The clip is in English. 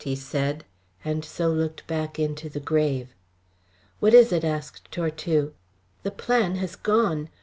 he said, and so looked back into the grave. "What is it?" asked Tortue. "The plan has gone.